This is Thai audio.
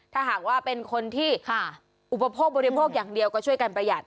ถ้าหากว่าเป็นคนที่อุปโภคบริโภคอย่างเดียวก็ช่วยกันประหยัด